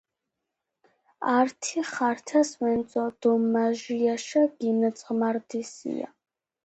ართი ხართას ვენოძჷდ დო მაჟიაშა გინმარღვანდესია